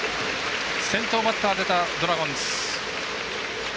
先頭バッター出たドラゴンズ。